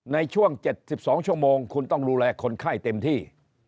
ในช่วง๗๒ชั่วโมงคุณต้องดูแลคนไข้เต็มที่